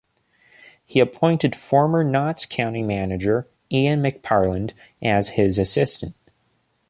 He appointed former Notts County manager Ian McParland as his assistant.